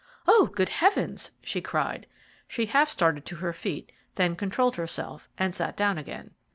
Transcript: "Oh, good heavens!" she cried. She half started to her feet, then controlled herself and sat down again.